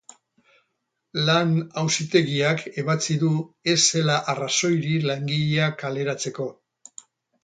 Lan auzitegiak ebatzi du ez zela arrazoirik langilea kaleratzeko.